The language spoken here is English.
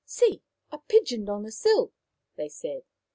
" See ! A pigeon on the sill," they said.